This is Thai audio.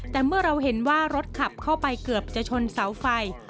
แต่เมื่อเราเห็นว่ารถขับเข้าไปเกือบจะชนเสาไฟ